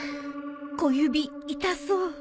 小指痛そう